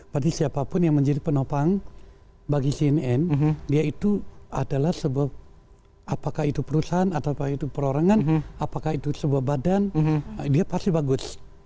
berarti siapapun yang menjadi penopang bagi cnn dia itu adalah sebuah apakah itu perusahaan atau perorangan apakah itu sebuah badan dia pasti bagus